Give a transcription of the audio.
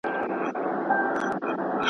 جانانه! اوس مې هغه زور په زړه کې پاتې نه دی